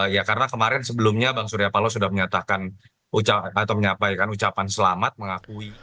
ya karena kemarin sebelumnya bang surya paloh sudah menyatakan atau menyampaikan ucapan selamat mengakui